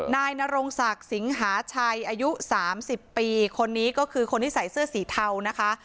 นายนรงศักดิ์สิงหาชัยอายุ๓๐ปีคนนี้ก็คือคนที่ใส่เสื้อสีเทานะคะ